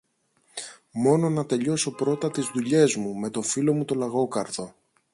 Μόνο να τελειώσω πρώτα τις δουλειές μου με το φίλο μου τον Λαγόκαρδο.